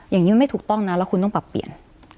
อย่างนี้มันไม่ถูกต้องนะแล้วคุณต้องปรับเปลี่ยน